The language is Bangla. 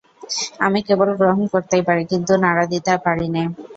আমি কেবল গ্রহণ করতেই পারি, কিন্তু নাড়া দিতে পারি নে।